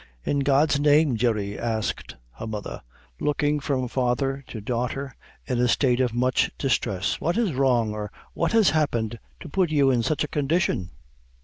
"In God's name, Jerry," asked her mother, looking from father to daughter in a state of much distress, "what is wrong, or what has happened to put you in such a condition?